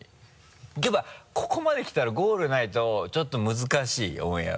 やっぱここまできたらゴールないとちょっと難しいオンエアが。